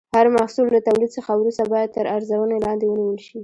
هر محصول له تولید څخه وروسته باید تر ارزونې لاندې ونیول شي.